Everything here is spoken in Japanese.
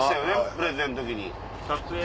プレゼンの時に。